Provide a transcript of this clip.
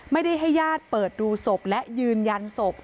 ไม่ได้ให้ญาติเปิดดูศพและยืนยันศพ